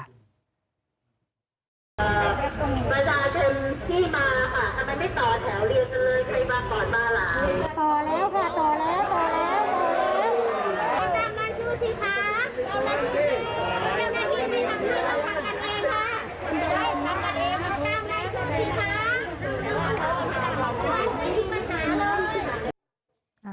รสฟ้ารสฟ้า